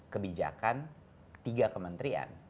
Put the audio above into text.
kebijakan tiga kementerian